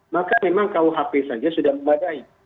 maka memang kuhp saja sudah memadai